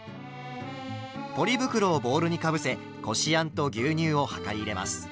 ポリ袋をボウルにかぶせこしあんと牛乳を量り入れます。